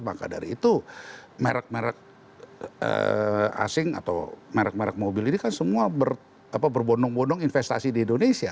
maka dari itu merek merek asing atau merek merek mobil ini kan semua berbondong bondong investasi di indonesia